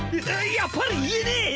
やっぱりいえねえ！